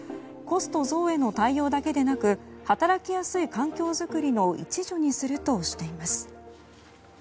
コスト増への対応だけでなく働きやすい環境づくりの一助にするとしています。